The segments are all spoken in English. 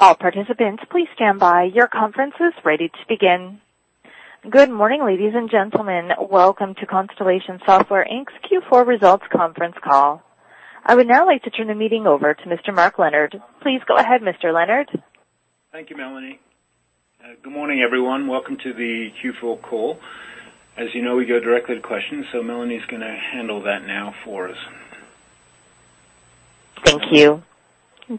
All participants, please stand by. Your conference is ready to begin. Good morning, ladies and gentlemen. Welcome to Constellation Software Inc.'s Q4 Results Conference Call. I would now like to turn the meeting over to Mr. Mark Leonard. Please go ahead, Mr. Leonard. Thank you, Melanie. Good morning, everyone. Welcome to the Q4 call. As you know, we go directly to questions, Melanie's going to handle that now for us. Thank you. We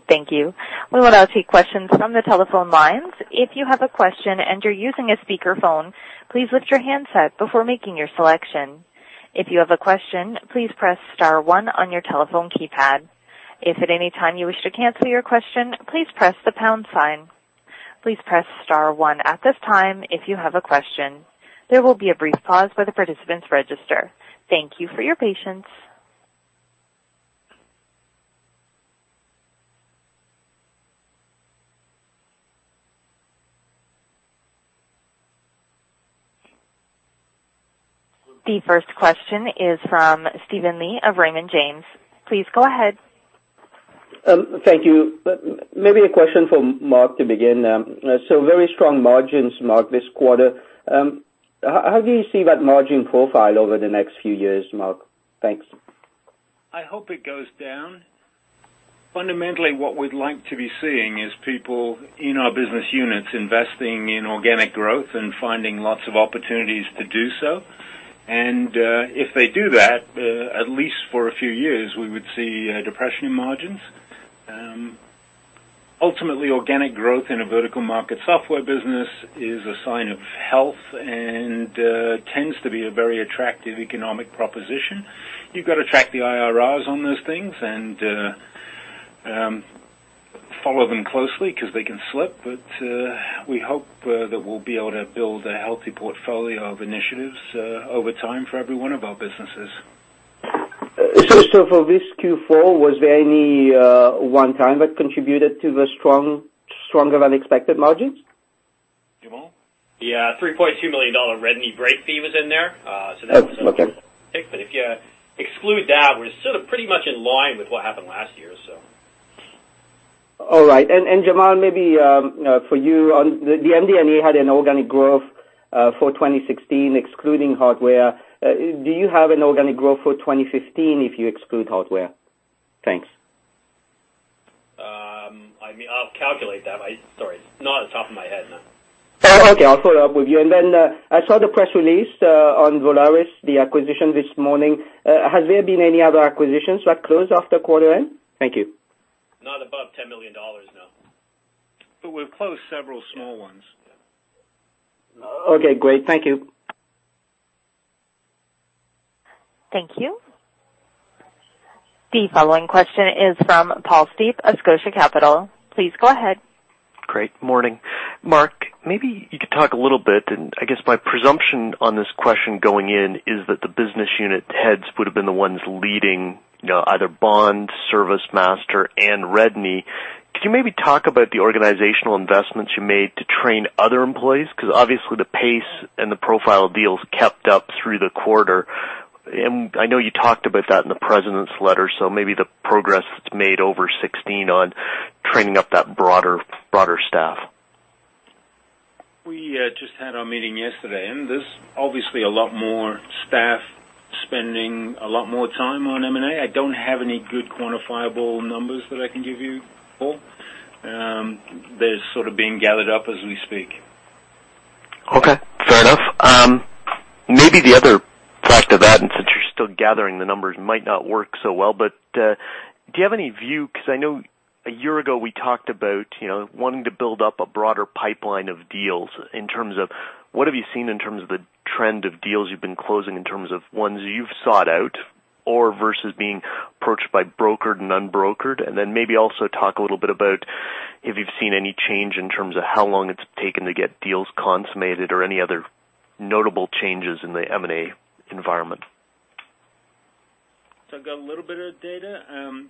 will now take questions from the telephone lines. If you have a question and you're using a speakerphone, please lift your handset before making your selection. If you have a question, please press star one on your telephone keypad. If at any time you wish to cancel your question, please press the pound sign. Please press star one at this time if you have a question. There will be a brief pause for the participants register. Thank you for your patience. The first question is from Steven Li of Raymond James. Please go ahead. Thank you. Maybe a question for Mark to begin. Very strong margins, Mark, this quarter. How do you see that margin profile over the next few years, Mark? Thanks. I hope it goes down. Fundamentally, what we'd like to be seeing is people in our business units investing in organic growth and finding lots of opportunities to do so. If they do that, at least for a few years, we would see a depression in margins. Ultimately, organic growth in a vertical market software business is a sign of health and tends to be a very attractive economic proposition. You've got to track the IRRs on those things and follow them closely because they can slip. We hope that we'll be able to build a healthy portfolio of initiatives over time for every one of our businesses. For this Q4, was there any one time that contributed to the stronger-than-expected margins? Jamal? Yeah. A 3.2 million dollar Redknee break fee was in there. Oh, okay. If you exclude that, we're sort of pretty much in line with what happened last year or so. All right. Jamal, maybe for you, the MD&A had an organic growth for 2016, excluding hardware. Do you have an organic growth for 2015 if you exclude hardware? Thanks. I'll calculate that. Sorry. Not off the top of my head, no. Okay. I'll follow up with you. Then, I saw the press release on Volaris, the acquisition this morning. Has there been any other acquisitions that closed after quarter end? Thank you. Not above 10 million dollars, no. We've closed several small ones. Yeah. Okay, great. Thank you. Thank you. The following question is from Paul Steep of Scotia Capital. Please go ahead. Great. Morning. Mark, maybe you could talk a little bit. I guess my presumption on this question going in is that the business unit heads would've been the ones leading either Bond, ServiceMaster, and Redknee. Could you maybe talk about the organizational investments you made to train other employees? Because obviously the pace and the profile of deals kept up through the quarter. I know you talked about that in the President's Letter, so maybe the progress made over 2016 on training up that broader staff. We just had our meeting yesterday. There's obviously a lot more staff spending a lot more time on M&A. I don't have any good quantifiable numbers that I can give you, Paul. They're sort of being gathered up as we speak. Okay. Fair enough. Maybe the other facet of that, since you're still gathering the numbers, might not work so well. Do you have any view, because I know a year ago we talked about wanting to build up a broader pipeline of deals in terms of what have you seen in terms of the trend of deals you've been closing in terms of ones you've sought out or versus being approached by brokered and unbrokered? Then maybe also talk a little bit about if you've seen any change in terms of how long it's taken to get deals consummated or any other notable changes in the M&A environment. I've got a little bit of data.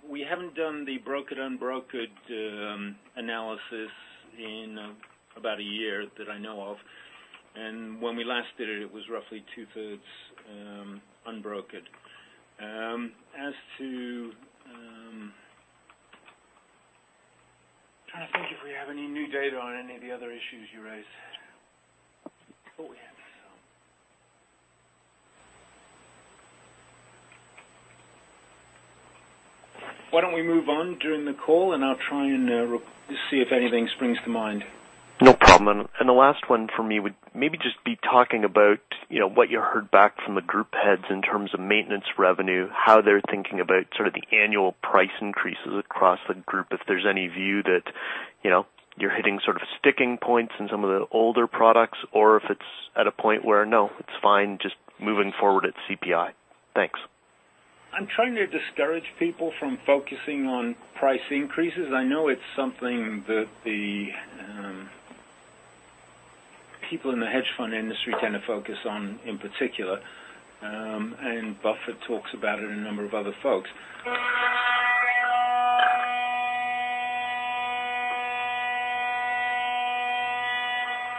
We haven't done the brokered/unbrokered analysis in about a year that I know of. When we last did it was roughly two-thirds unbrokered. I'm trying to think if we have any new data on any of the other issues you raised. I thought we had some. Why don't we move on during the call, I'll try and see if anything springs to mind. No problem. The last one from me would maybe just be talking about what you heard back from the group heads in terms of maintenance revenue, how they're thinking about sort of the annual price increases across the group, if there's any view that you're hitting sort of sticking points in some of the older products, or if it's at a point where no, it's fine, just moving forward at CPI. Thanks. I'm trying to discourage people from focusing on price increases. I know it's something that the people in the hedge fund industry tend to focus on in particular. Buffett talks about it, a number of other folks.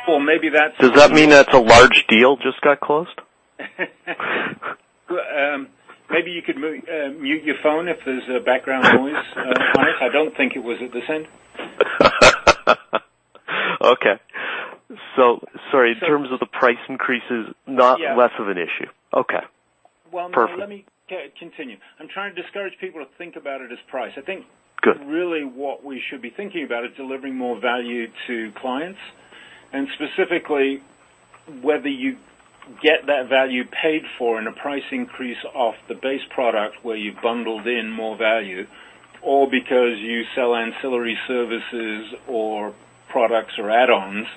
Does that mean that a large deal just got closed? Maybe you could mute your phone if there's a background noise, Maurice. I don't think it was at this end. Okay. Sorry, in terms of the price increases. Yeah. Not less of an issue. Okay. Perfect. Well, let me continue. I'm trying to discourage people to think about it as price. Good. I think really what we should be thinking about is delivering more value to clients. Specifically, whether you get that value paid for in a price increase off the base product where you've bundled in more value or because you sell ancillary services or products or add-ons,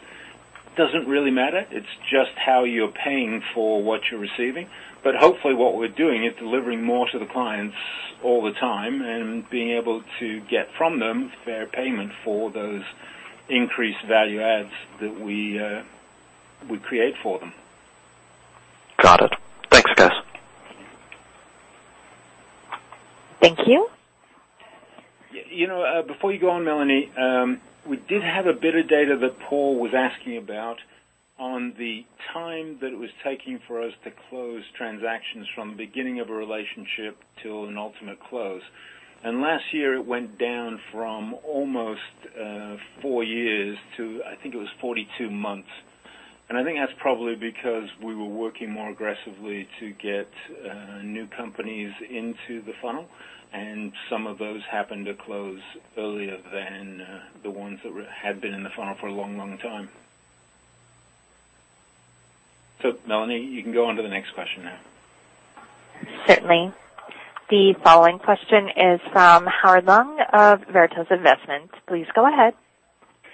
doesn't really matter. It's just how you're paying for what you're receiving. Hopefully what we're doing is delivering more to the clients all the time and being able to get from them fair payment for those increased value adds that we create for them. Got it. Thanks, guys. Thank you. Before you go on, Melanie, we did have a bit of data that Paul was asking about on the time that it was taking for us to close transactions from the beginning of a relationship to an ultimate close. Last year, it went down from almost four years to, I think it was 42 months. I think that's probably because we were working more aggressively to get new companies into the funnel, and some of those happened to close earlier than the ones that had been in the funnel for a long time. Melanie, you can go on to the next question now. Certainly. The following question is from Howard Leung of Veritas Investment. Please go ahead.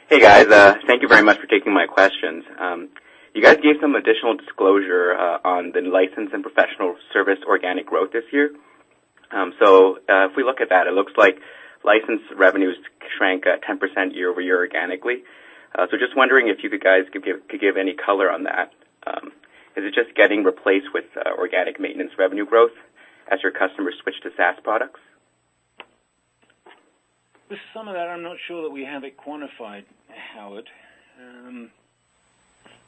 Hey, guys. Thank you very much for taking my questions. You guys gave some additional disclosure on the license and professional service organic growth this year. If we look at that, it looks like license revenues shrank at 10% year-over-year organically. Just wondering if you guys could give any color on that. Is it just getting replaced with organic maintenance revenue growth as your customers switch to SaaS products? With some of that, I'm not sure that we have it quantified, Howard.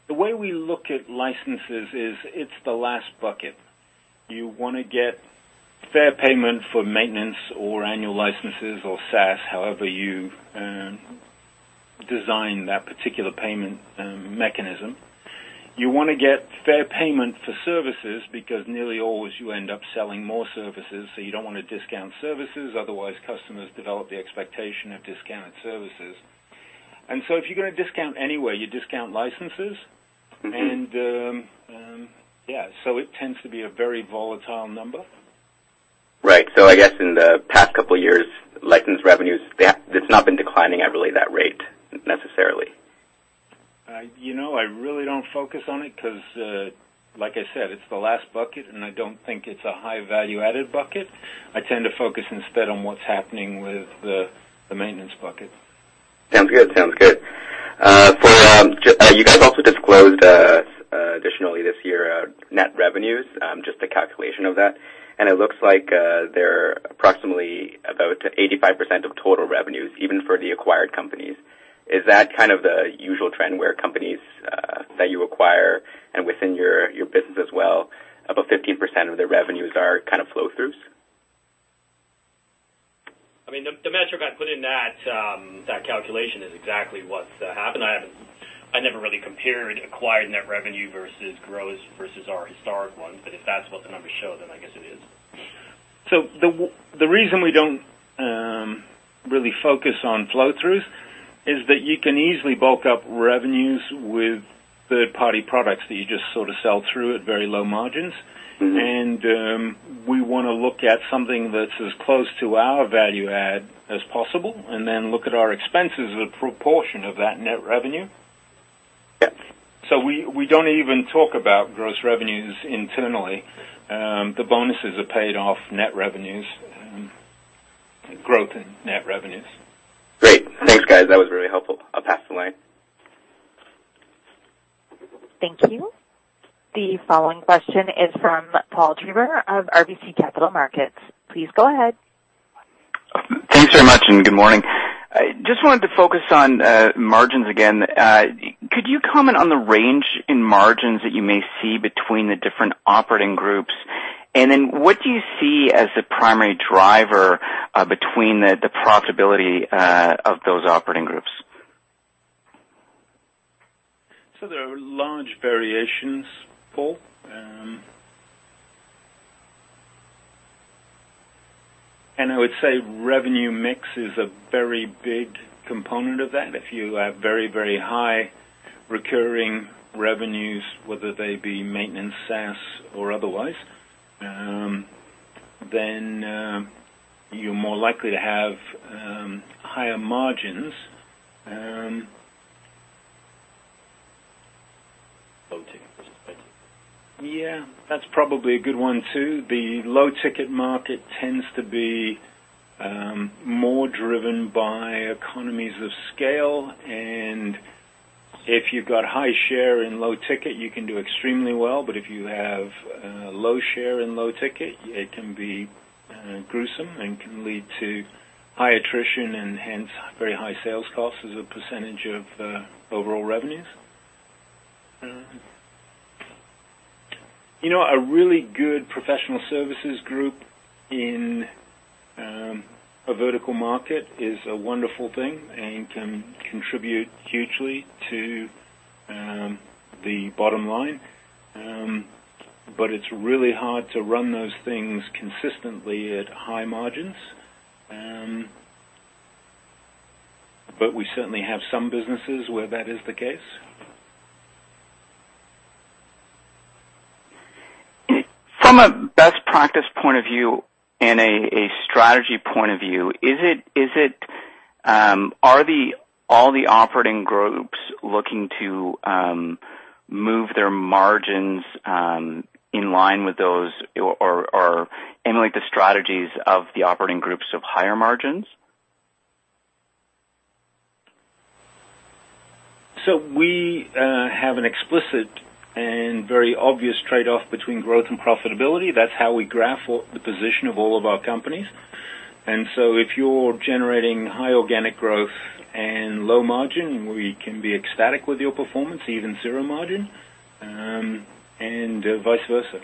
The way we look at licenses is it's the last bucket. You want to get fair payment for maintenance or annual licenses or SaaS, however you design that particular payment mechanism. You want to get fair payment for services because nearly always you end up selling more services, you don't want to discount services, otherwise customers develop the expectation of discounted services. If you're going to discount anyway, you discount licenses. Yeah, it tends to be a very volatile number. Right. I guess in the past couple of years, license revenues, it's not been declining at really that rate necessarily. I really don't focus on it because, like I said, it's the last bucket, and I don't think it's a high value-added bucket. I tend to focus instead on what's happening with the maintenance bucket. Sounds good. You guys also disclosed additionally this year net revenues, just a calculation of that. It looks like they're approximately about 85% of total revenues, even for the acquired companies. Is that kind of the usual trend where companies that you acquire and within your business as well, about 15% of their revenues are flow-throughs? The metric I put in that calculation is exactly what's happened. I never really compared acquired net revenue versus gross versus our historic ones. If that's what the numbers show, then I guess it is. The reason we don't really focus on flow-throughs is that you can easily bulk up revenues with third-party products that you just sort of sell through at very low margins. We want to look at something that's as close to our value add as possible, then look at our expenses as a proportion of that net revenue. Yeah. We don't even talk about gross revenues internally. The bonuses are paid off net revenues, growth in net revenues. Great. Thanks, guys. That was really helpful. I'll pass the line. Thank you. The following question is from Paul Treiber of RBC Capital Markets. Please go ahead. Thanks very much, and good morning. Just wanted to focus on margins again. Could you comment on the range in margins that you may see between the different operating groups? What do you see as the primary driver between the profitability of those operating groups? There are large variations, Paul. I would say revenue mix is a very big component of that. If you have very high recurring revenues, whether they be maintenance, SaaS or otherwise, then you're more likely to have higher margins. Low ticket versus high ticket. Yeah. That's probably a good one, too. The low-ticket market tends to be more driven by economies of scale. If you've got high share and low ticket, you can do extremely well. If you have low share and low ticket, it can be Gruesome and can lead to high attrition and hence very high sales costs as a percentage of overall revenues. A really good professional services group in a vertical market is a wonderful thing and can contribute hugely to the bottom line. It's really hard to run those things consistently at high margins. We certainly have some businesses where that is the case. From a best practice point of view and a strategy point of view, are all the operating groups looking to move their margins in line with those or emulate the strategies of the operating groups of higher margins? We have an explicit and very obvious trade-off between growth and profitability. That's how we graph the position of all of our companies. If you're generating high organic growth and low margin, we can be ecstatic with your performance, even zero margin, and vice versa.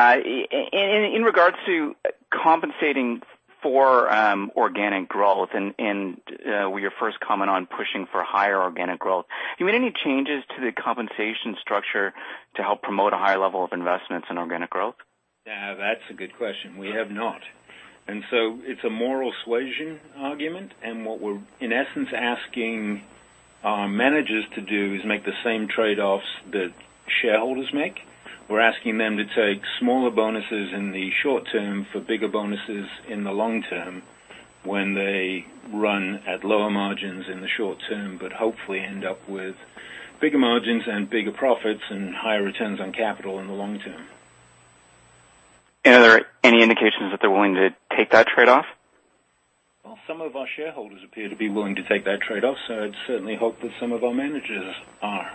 Okay. In regards to compensating for organic growth and with your first comment on pushing for higher organic growth, have you made any changes to the compensation structure to help promote a higher level of investments in organic growth? Yeah, that's a good question. We have not. It's a moral suasion argument, and what we're in essence asking our managers to do is make the same trade-offs that shareholders make. We're asking them to take smaller bonuses in the short term for bigger bonuses in the long term, when they run at lower margins in the short term, but hopefully end up with bigger margins and bigger profits and higher returns on capital in the long term. Are there any indications that they're willing to take that trade-off? Some of our shareholders appear to be willing to take that trade-off, so I'd certainly hope that some of our managers are.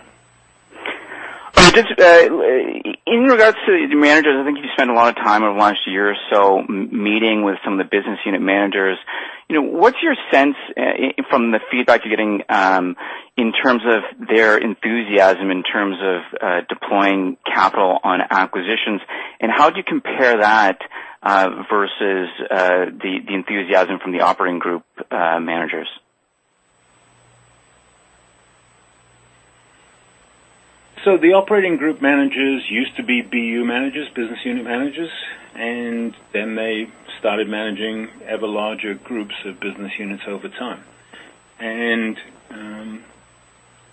In regards to the managers, I think you spend a lot of time over the last year or so meeting with some of the business unit managers. What's your sense from the feedback you're getting in terms of their enthusiasm in terms of deploying capital on acquisitions, and how do you compare that versus the enthusiasm from the operating group managers? The operating group managers used to be BU managers, business unit managers. Then they started managing ever larger groups of business units over time.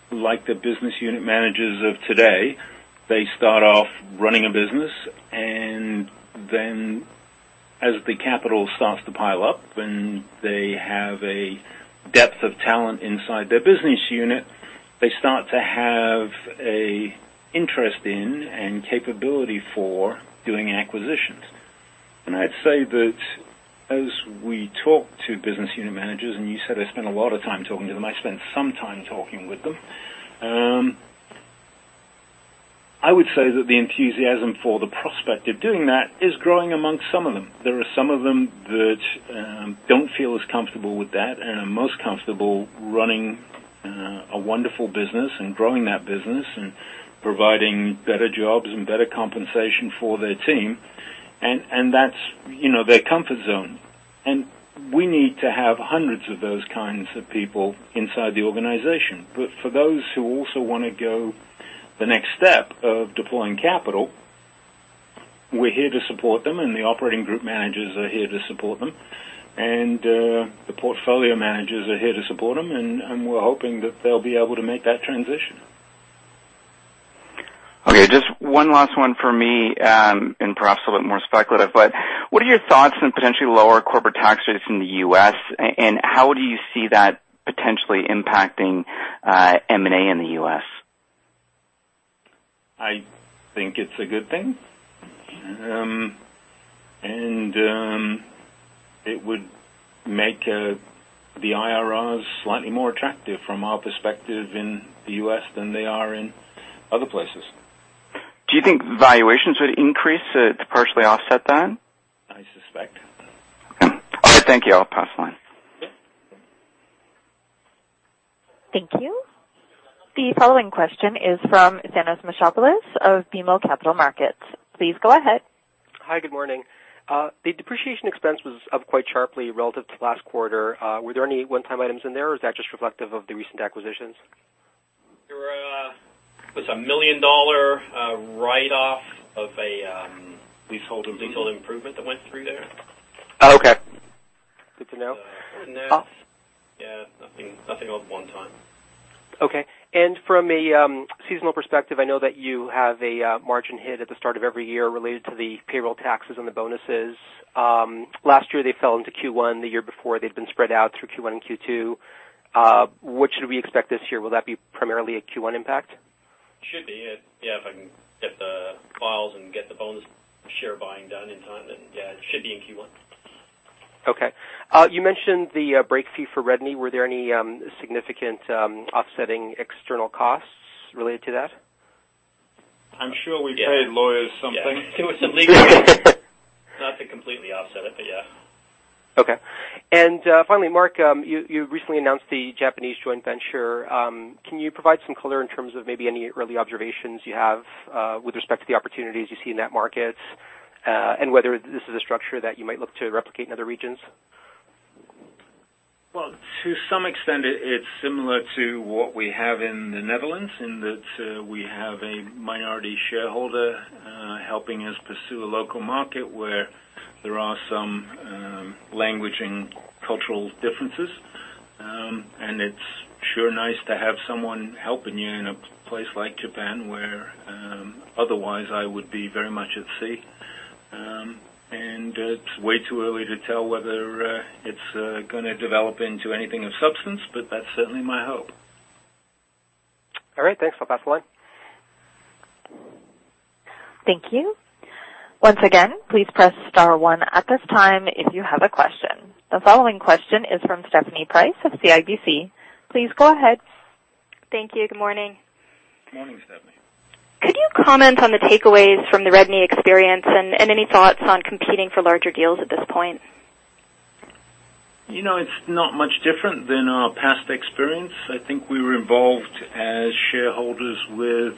Like the business unit managers of today, they start off running a business, then as the capital starts to pile up, when they have a depth of talent inside their business unit, they start to have an interest in and capability for doing acquisitions. I'd say that as we talk to business unit managers, and you said I spend a lot of time talking to them, I spend some time talking with them. I would say that the enthusiasm for the prospect of doing that is growing amongst some of them. There are some of them that don't feel as comfortable with that and are most comfortable running a wonderful business and growing that business and providing better jobs and better compensation for their team. That's their comfort zone. We need to have hundreds of those kinds of people inside the organization. For those who also want to go the next step of deploying capital, we're here to support them, and the operating group managers are here to support them. The portfolio managers are here to support them, and we're hoping that they'll be able to make that transition. Okay, just one last one for me, and perhaps a little more speculative. What are your thoughts on potentially lower corporate tax rates in the U.S., and how do you see that potentially impacting M&A in the U.S.? I think it's a good thing. It would make the IRRs slightly more attractive from our perspective in the U.S. than they are in other places. Do you think valuations would increase to partially offset that? I suspect. Okay. Thank you. I'll pass the line. Okay. Thank you. The following question is from Thanos Moschopoulos of BMO Capital Markets. Please go ahead. Hi, good morning. The depreciation expense was up quite sharply relative to last quarter. Were there any one-time items in there, or is that just reflective of the recent acquisitions? There was a million-dollar write-off of Leasehold improvement leasehold improvement that went through there. Okay. Good to know. Yeah, nothing was one time. Okay. From a seasonal perspective, I know that you have a margin hit at the start of every year related to the payroll taxes on the bonuses. Last year, they fell into Q1. The year before, they'd been spread out through Q1 and Q2. What should we expect this year? Will that be primarily a Q1 impact? Should be, yeah. If I can get the files and get the bonus share buying done in time, yeah, it should be in Q1. You mentioned the break fee for Redknee. Were there any significant offsetting external costs related to that? I'm sure we paid lawyers something. Yes. It was a legal fee. Not to completely offset it, but yes. Okay. Finally, Mark, you recently announced the Japanese joint venture. Can you provide some color in terms of maybe any early observations you have with respect to the opportunities you see in that market, and whether this is a structure that you might look to replicate in other regions? Well, to some extent, it's similar to what we have in the Netherlands, in that we have a minority shareholder helping us pursue a local market where there are some language and cultural differences. It's sure nice to have someone helping you in a place like Japan where otherwise I would be very much at sea. It's way too early to tell whether it's going to develop into anything of substance, but that's certainly my hope. All right. Thanks. I'll pass the line. Thank you. Once again, please press star one at this time if you have a question. The following question is from Stephanie Price of CIBC. Please go ahead. Thank you. Good morning. Good morning, Stephanie. Could you comment on the takeaways from the Redknee experience and any thoughts on competing for larger deals at this point? It's not much different than our past experience. I think we were involved as shareholders with,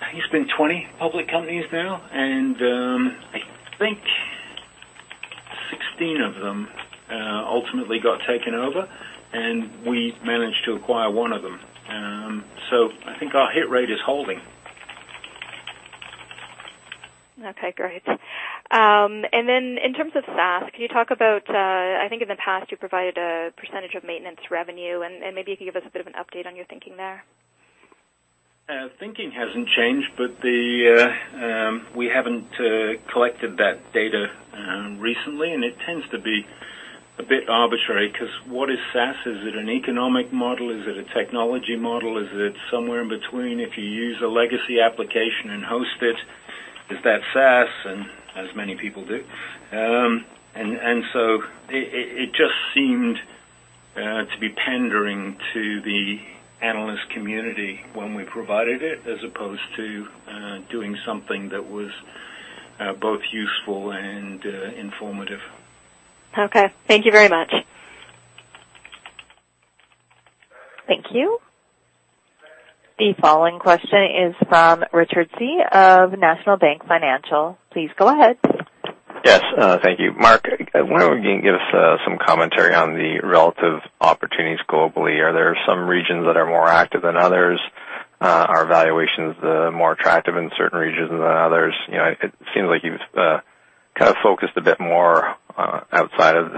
I think it's been 20 public companies now, and I think 16 of them ultimately got taken over, and we managed to acquire one of them. I think our hit rate is holding. Okay, great. In terms of SaaS, can you talk about, I think in the past you provided a % of maintenance revenue, and maybe you could give us a bit of an update on your thinking there. Thinking hasn't changed, but we haven't collected that data recently, and it tends to be a bit arbitrary because what is SaaS? Is it an economic model? Is it a technology model? Is it somewhere in between? If you use a legacy application and host it, is that SaaS? As many people do. It just seemed to be pandering to the analyst community when we provided it, as opposed to doing something that was both useful and informative. Okay. Thank you very much. Thank you. The following question is from Richard Tse of National Bank Financial. Please go ahead. Yes. Thank you. Mark, wonder if you can give us some commentary on the relative opportunities globally. Are there some regions that are more active than others? Are valuations more attractive in certain regions than others? It seems like you've kind of focused a bit more outside of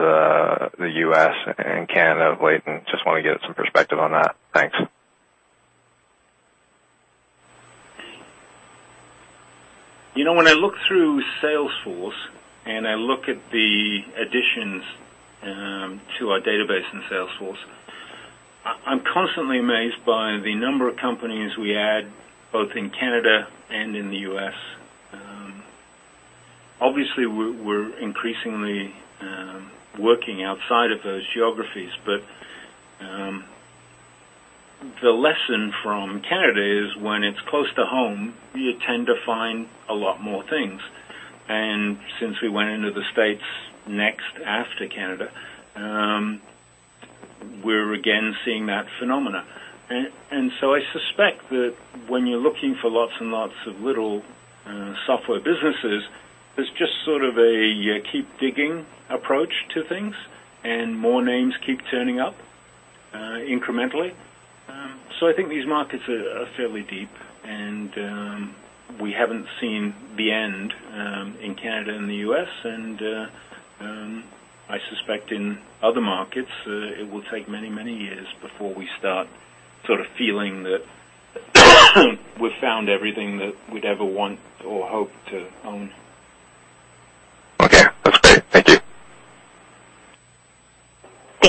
the U.S. and Canada of late, and just want to get some perspective on that. Thanks. When I look through Salesforce and I look at the additions to our database in Salesforce, I'm constantly amazed by the number of companies we add, both in Canada and in the U.S. Obviously, we're increasingly working outside of those geographies. The lesson from Canada is when it's close to home, you tend to find a lot more things. Since we went into the States next after Canada, we're again seeing that phenomena. I suspect that when you're looking for lots and lots of little software businesses, there's just sort of a keep-digging approach to things, and more names keep turning up incrementally. I think these markets are fairly deep, and we haven't seen the end in Canada and the U.S. I suspect in other markets, it will take many, many years before we start sort of feeling that we've found everything that we'd ever want or hope to own.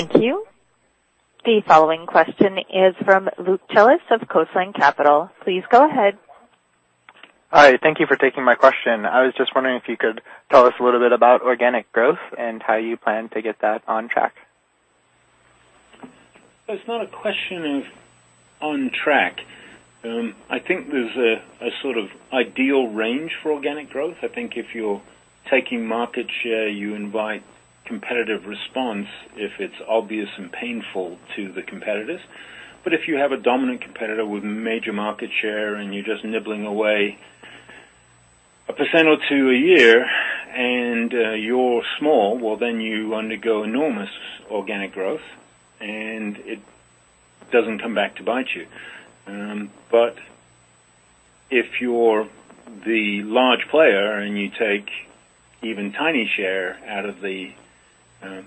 Okay. That's great. Thank you. Thank you. The following question is from Luke Tellis of Coastline Capital. Please go ahead. All right. Thank you for taking my question. I was just wondering if you could tell us a little bit about organic growth and how you plan to get that on track. It's not a question of on track. I think there's a sort of ideal range for organic growth. I think if you're taking market share, you invite competitive response if it's obvious and painful to the competitors. If you have a dominant competitor with major market share and you're just nibbling away a percent or two a year and you're small, well, then you undergo enormous organic growth, and it doesn't come back to bite you. If you're the large player and you take even tiny share out of the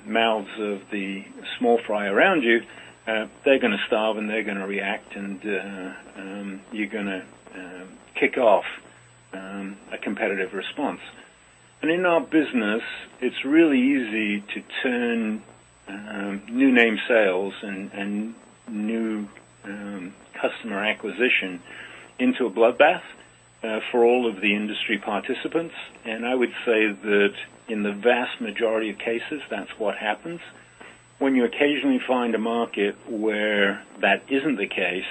mouths of the small fry around you, they're going to starve, and they're going to react, and you're going to kick off a competitive response. In our business, it's really easy to turn new name sales and new customer acquisition into a bloodbath for all of the industry participants. I would say that in the vast majority of cases, that's what happens. When you occasionally find a market where that isn't the case,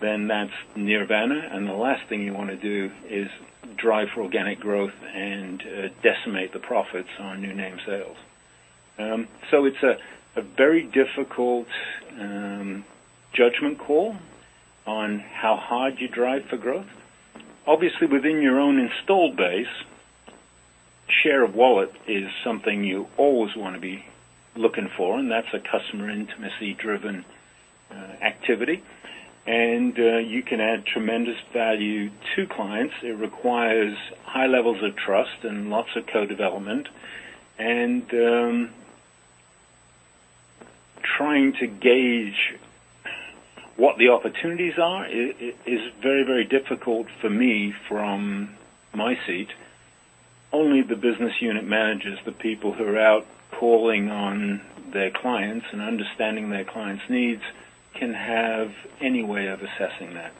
then that's nirvana, and the last thing you want to do is drive for organic growth and decimate the profits on your name sales. It's a very difficult judgment call on how hard you drive for growth. Obviously, within your own installed base, share of wallet is something you always want to be looking for, and that's a customer intimacy-driven activity. You can add tremendous value to clients. It requires high levels of trust and lots of co-development. Trying to gauge what the opportunities are is very, very difficult for me from my seat. Only the business unit managers, the people who are out calling on their clients and understanding their clients' needs, can have any way of assessing that.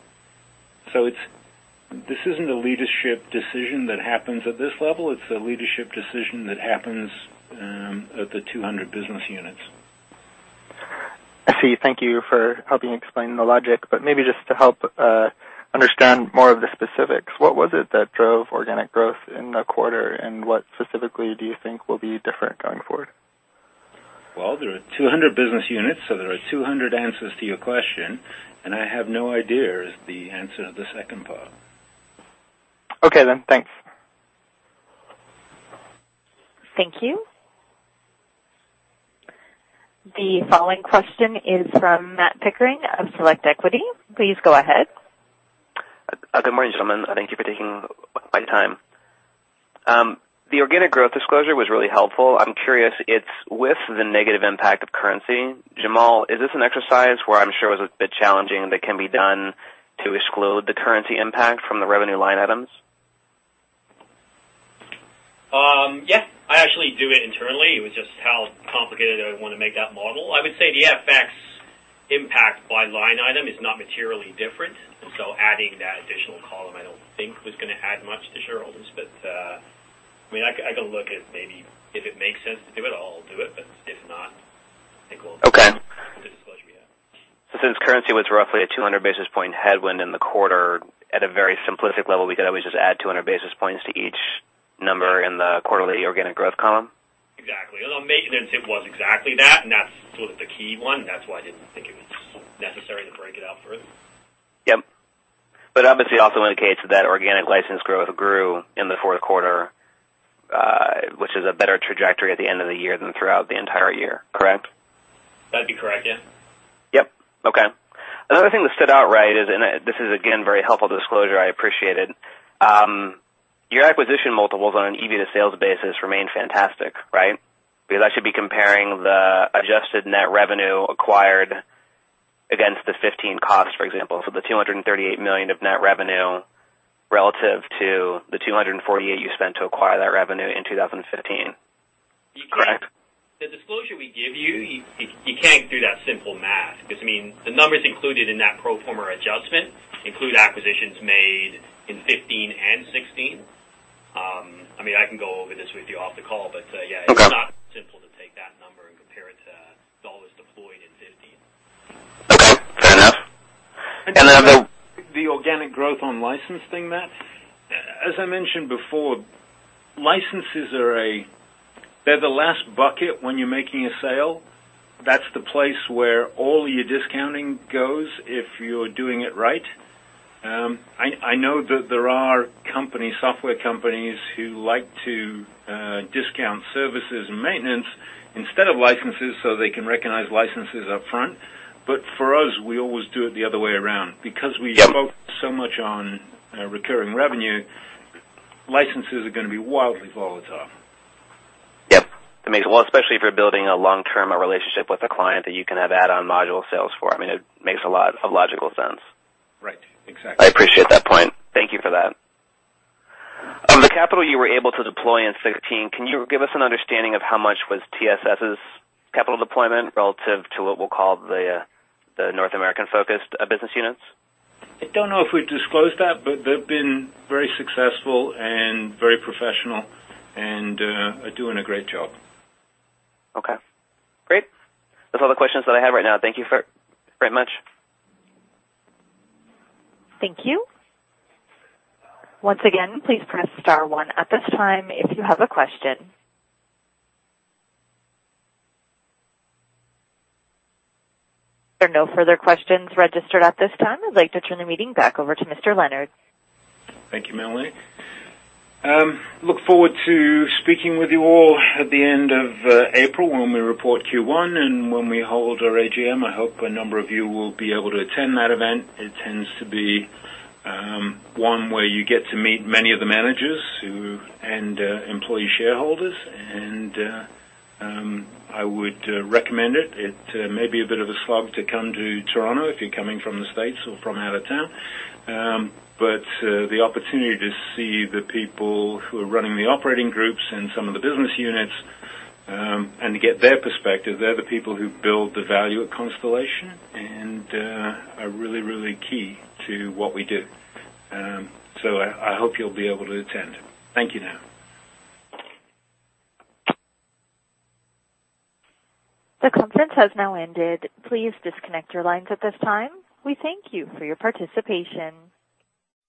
This isn't a leadership decision that happens at this level. It's a leadership decision that happens at the 200 business units. I see. Thank you for helping explain the logic, but maybe just to help understand more of the specifics, what was it that drove organic growth in the quarter, and what specifically do you think will be different going forward? Well, there are 200 business units, so there are 200 answers to your question. I have no idea is the answer to the second part. Okay. Thanks. Thank you. The following question is from Matt Pickering of Select Equity. Please go ahead. Good morning, gentlemen. Thank you for taking my time. The organic growth disclosure was really helpful. I'm curious, it's with the negative impact of currency. Jamal, is this an exercise where I'm sure it was a bit challenging that can be done to exclude the currency impact from the revenue line items? Yes. I actually do it internally. It was just how complicated I want to make that model. I would say the FX impact by line item is not materially different. Adding that additional column, I don't think was going to add much to shareholders, but I can look at maybe if it makes sense to do it, I'll do it, but if not, I think we'll- Okay leave the disclosure we have. Since currency was roughly a 200 basis point headwind in the quarter, at a very simplistic level, we could always just add 200 basis points to each number in the quarterly organic growth column? Exactly. On maintenance, it was exactly that, and that's sort of the key one. That's why I didn't think it was necessary to break it out further. Yep. Obviously, also indicates that organic license growth grew in the fourth quarter, which is a better trajectory at the end of the year than throughout the entire year. Correct? That'd be correct. Yeah. Yep. Okay. Another thing that stood out right is, this is again, very helpful disclosure, I appreciate it. Your acquisition multiples on an EV to sales basis remain fantastic, right? Because I should be comparing the adjusted net revenue acquired against the 2015 cost, for example. So the 238 million of net revenue relative to the 248 million you spent to acquire that revenue in 2015. Correct? The disclosure we give you can't do that simple math because the numbers included in that pro forma adjustment include acquisitions made in 2015 and 2016. I can go over this with you off the call, yeah. Okay It's not simple to take that number and compare it to CAD deployed in 2015. Okay. Fair enough. The organic growth on license thing, Matt. As I mentioned before, licenses are the last bucket when you're making a sale. That's the place where all your discounting goes if you're doing it right. I know that there are software companies who like to discount services and maintenance instead of licenses so they can recognize licenses upfront. For us, we always do it the other way around. Yep Focus so much on recurring revenue, licenses are going to be wildly volatile. Yep. Well, especially if you're building a long-term relationship with a client that you can have add-on module sales for. It makes a lot of logical sense. Right. Exactly. I appreciate that point. Thank you for that. On the capital you were able to deploy in 2016, can you give us an understanding of how much was TSS' capital deployment relative to what we'll call the North American-focused business units? I don't know if we've disclosed that, they've been very successful and very professional and are doing a great job. Okay. Great. That's all the questions that I have right now. Thank you very much. Thank you. Once again, please press star one at this time if you have a question. There are no further questions registered at this time. I'd like to turn the meeting back over to Mr. Leonard. Thank you, Melanie. Look forward to speaking with you all at the end of April when we report Q1 and when we hold our AGM. I hope a number of you will be able to attend that event. It tends to be one where you get to meet many of the managers and employee shareholders, I would recommend it. It may be a bit of a slog to come to Toronto if you're coming from the States or from out of town. The opportunity to see the people who are running the operating groups and some of the business units, and to get their perspective, they're the people who build the value at Constellation and are really, really key to what we do. I hope you'll be able to attend. Thank you now. The conference has now ended. Please disconnect your lines at this time. We thank you for your participation.